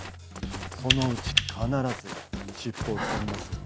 そのうち必ず尻尾をつかみますよ。